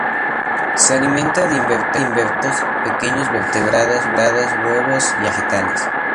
Se alimenta de invertebrados, pequeños vertebrados, huevos y algunos vegetales.